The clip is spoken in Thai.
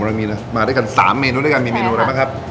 เรามาด้วยกัน๓เมนูด้วยกันมีเมนูอะไรไหมครับ